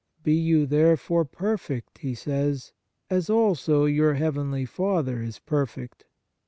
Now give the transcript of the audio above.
" Be you therefore perfect," He says, "as also your heavenly Father is perfect."